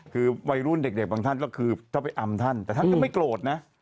คือวัยรุ่นเด็กบางท่านก็คือถ้าไปอำท่านแต่ท่านก็ไม่โกรธนะ